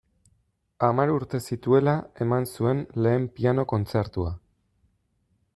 Hamar urte zituela eman zuen lehen piano-kontzertua.